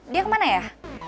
dia kemana ya